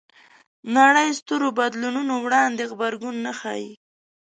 نړۍ سترو بدلونونو وړاندې غبرګون نه ښيي